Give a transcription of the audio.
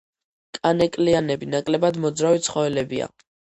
კანეკლიანები ნაკლებად მოძრავი ცხოველებია.